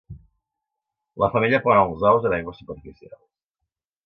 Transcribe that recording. La femella pon els ous en aigües superficials.